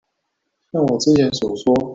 像我之前所說